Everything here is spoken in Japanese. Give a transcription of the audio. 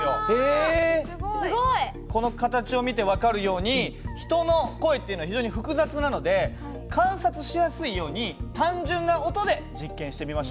この形を見て分かるように人の声っていうのは非常に複雑なので観察しやすいように単純な音で実験してみましょう。